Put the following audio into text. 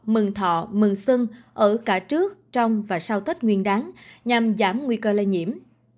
mừng thọ mừng xuân ở cả trước trong và sau tết nguyên đáng nhằm giảm nguy cơ lây nhiễm